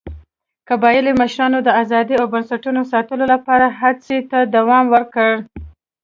قبایلي مشرانو د ازادۍ او بنسټونو ساتلو لپاره هڅو ته دوام ورکړ.